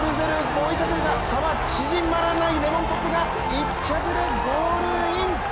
レッドルゼルも追いかけるが差は縮まらないレモンポップが先頭でゴールイン。